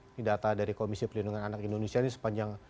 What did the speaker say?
ini data dari komisi pelindungan anak indonesia ini sepanjang